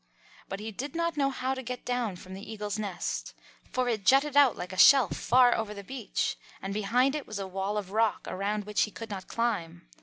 But he did not know how to get down from the Eagle's nest, for it jutted out like a shelf far over the beach, and behind it was a wall of rock around which he could not climb.